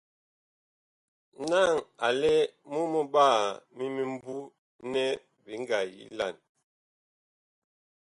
Naŋ a lɛ mumɓaa mi mimbu nɛ bi ngaa yilan.